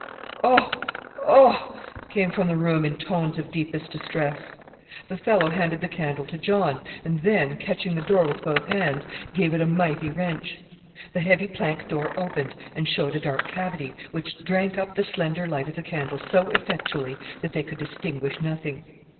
"Oh! Oh!" came from the room in tones of deepest distress. The fellow handed the candle to John, and then, catching the door with both hands, gave it a mighty wrench. The heavy plank door opened and showed a dark cavity, which drank up the slender light of the candle so effectually that they could distinguish nothing.